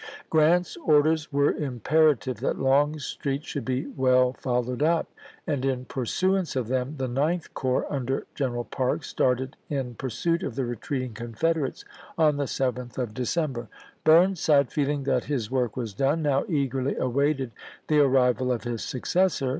Grant's orders were imperative that Longstreet should be well fol lowed up; and in pursuance of them the Ninth Corps, under General Parke, started in pursuit of the retreating Confederates on the 7th of Decem ises. ber. Bm'uside, feeling that his work was done, now eagerly awaited the arrival of his successor.